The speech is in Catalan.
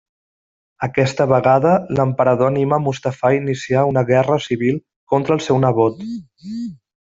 Aquesta vegada l'emperador anima Mustafà a iniciar una guerra civil contra el seu nebot.